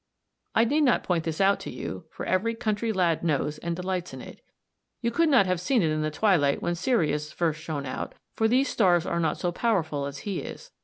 I need not point this out to you, for every country lad knows and delights in it. You could not have seen it in the twilight when Sirius first shone out, for these stars are not so powerful as he is.